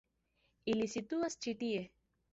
Ili situas ĉi tie.